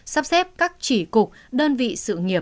sắp xếp các chỉ cục đơn vị sự nghiệp